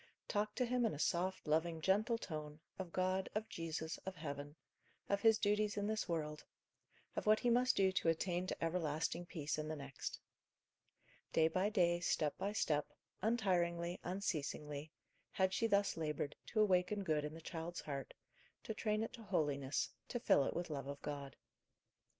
Talk to him in a soft, loving, gentle tone, of God, of Jesus, of heaven; of his duties in this world; of what he must do to attain to everlasting peace in the next. Day by day, step by step, untiringly, unceasingly, had she thus laboured, to awaken good in the child's heart, to train it to holiness, to fill it with love of God.